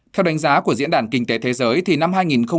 theo đánh giá của diễn đàn kinh tế thế giới thì năm hai nghìn một mươi chín